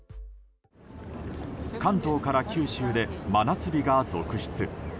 関東から九州で真夏日が続出。